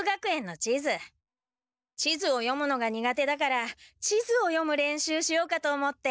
地図を読むのが苦手だから地図を読む練習しようかと思って。